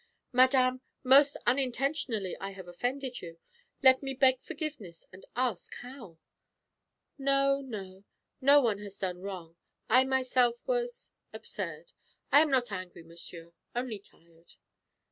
"Madame, most unintentionally I have offended you. Let me beg forgiveness and ask how." "No, no; no one has done wrong. I myself was absurd. I am not angry, monsieur; only tired."